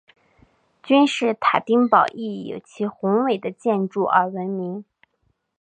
君士坦丁堡亦以其宏伟的建筑而闻名。